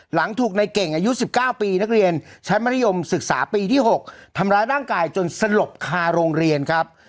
หลังถูกในเก่งอายุ๑๙ปีนักเรียนชั้นมัธยมศึกษาปีที่๖ทำร้ายร่างกายจนสลบคาโรงเรียนครับ